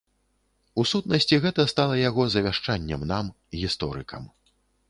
У сутнасці, гэта стала яго завяшчаннем нам, гісторыкам.